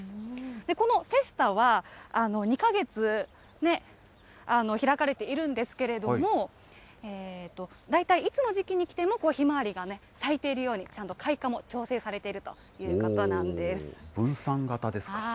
このフェスタは、２か月開かれているんですけれども、大体いつの時期に来てもヒマワリがね、咲いているようにちゃんと開花も調整されているということなんで分散型ですか。